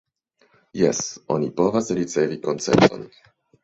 Jes, oni povas ricevi koncerton.